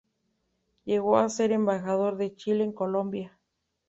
Llegó a ser embajador de Chile en Colombia.